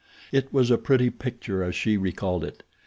It was a pretty picture as she recalled it.